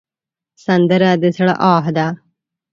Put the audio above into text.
سندره د زړه آه ده